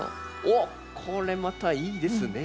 おっこれまたいいですね。